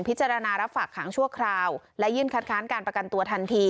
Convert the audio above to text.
รับฝากขังชั่วคราวและยื่นคัดค้านการประกันตัวทันที